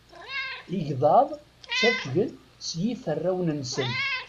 Igḍaḍ ttafgen s yiferrawen-nsen.